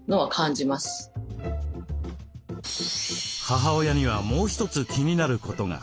母親にはもう一つ気になることが。